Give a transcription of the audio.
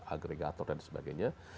agregator dan sebagainya